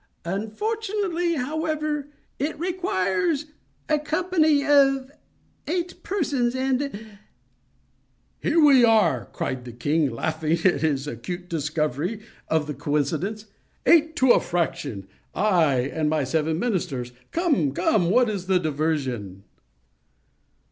Unfortunately, however, it requires a company of eight persons and—" "Here we are!" cried the king, laughing at his acute discovery of the coincidence; "eight to a fraction—I and my seven ministers. Come! what is the diversion?"